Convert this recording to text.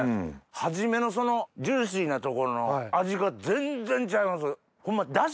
初めのジューシーなところの味が全然ちゃいます。